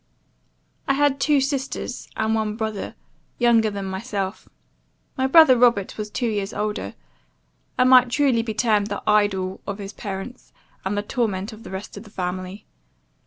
"I had two sisters, and one brother, younger than myself, my brother Robert was two years older, and might truly be termed the idol of his parents, and the torment of the rest of the family.